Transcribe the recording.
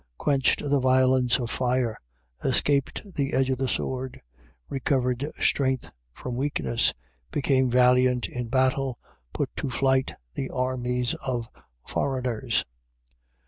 Quenched the violence of fire, escaped the edge of the sword, recovered strength from weakness, became valiant in battle, put to flight the armies of foreigners.